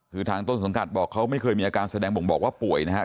คือทางต้นสังกัดบอกเขาไม่เคยมีอาการแสดงบ่งบอกว่าป่วยนะครับ